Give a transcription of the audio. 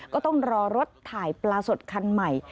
ก็ต้องรอรถถ่ายปลาสดคันใหม่